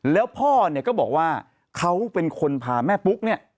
แล้วพ่อก็บอกว่าเขาเป็นคนพาแม่ปุ๊ก